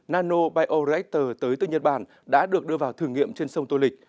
nano bio reactor tới từ nhật bản đã được đưa vào thử nghiệm trên sông tô lịch